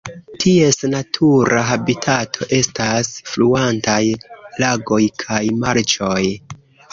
Ties natura habitato estas fluantaj lagoj kaj marĉoj.